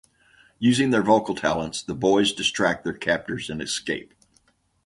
Using their vocal talents, the boys distract their captors and escape.